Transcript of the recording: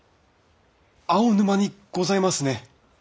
青沼にございますね！